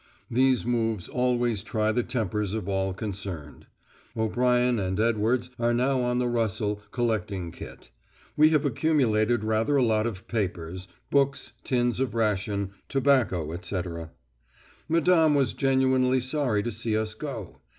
These moves always try the tempers of all concerned. O'Brien and Edwards are now on the rustle, collecting kit. We have accumulated rather a lot of papers, books, tins of ration, tobacco, etc." Madame was genuinely sorry to see us go.